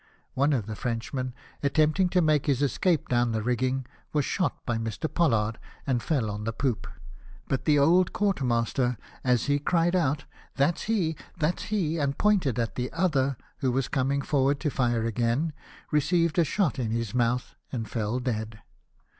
One of the Frenchmen, attempting to make his escape down the rigging, was shot by Mr. Pollard and fell on the poop. But the old quartermaster, as he cried out, " That's he, that's he," and pointed at the other, who was coming forward to fire again, received a shot in his mouth, and fell dead.